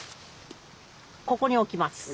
ここに置きます。